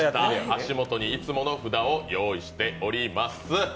足元にいつもの札を用意しております。